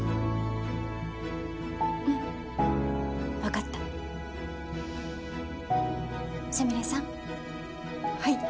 うん分かったスミレさんはい